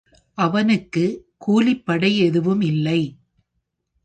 அவனுக்கு கூலிப்படை எதுவும் இல்லை.